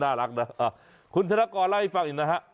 น่ารักนะคุณธนกรได้ช่วยฟังอีกนะฮะ